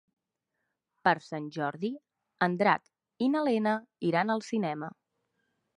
Per Sant Jordi en Drac i na Lena iran al cinema.